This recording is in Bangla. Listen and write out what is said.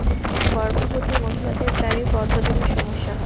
গর্ভবতী মহিলাদের প্রায়ই বদহজমের সমস্যা হয়।